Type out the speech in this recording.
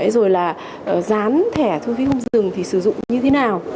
rồi là dán thẻ thu phí không dừng thì sử dụng như thế nào